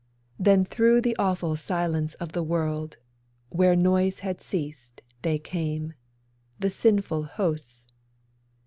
Then through the awful silence of the world, Where noise had ceased, they came— The sinful hosts.